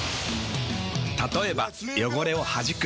たとえば汚れをはじく。